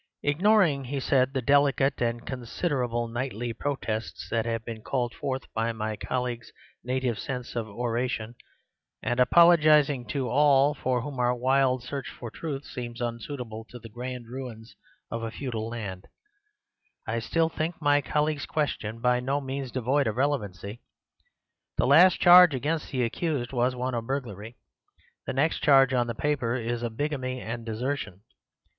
"Ignoring," he said, "the delicate and considerable knightly protests that have been called forth by my colleague's native sense of oration, and apologizing to all for whom our wild search for truth seems unsuitable to the grand ruins of a feudal land, I still think my colleague's question by no means devoid of rel'vancy. The last charge against the accused was one of burglary; the next charge on the paper is of bigamy and desertion.